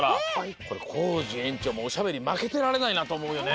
これコージえんちょうもおしゃべりまけてられないなとおもうよね。